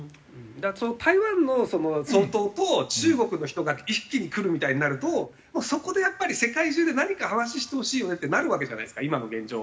台湾の総統と中国の人が一気に来るみたいになるともうそこでやっぱり世界中で何か話してほしいよねってなるわけじゃないですか今の現状。